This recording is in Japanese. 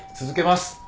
続けます。